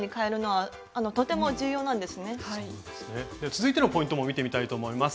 続いてのポイントも見てみたいと思います。